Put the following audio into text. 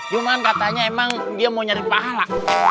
cuman katanya emang dia mau nyari pahala